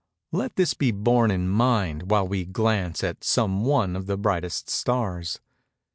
Let this be borne in mind while we glance at some one of the brightest stars.